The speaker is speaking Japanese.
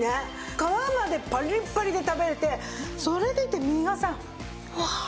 皮までパリッパリに食べられてそれでいて身がさフワッ。